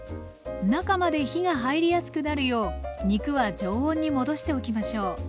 中まで火が入りやすくなるよう肉は常温に戻しておきましょう。